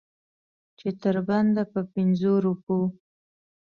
چې تر بنده په پنځو روپو.